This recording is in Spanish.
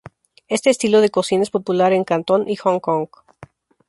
Este estilo de cocina es popular en Cantón y Hong Kong.